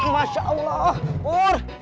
masya allah bur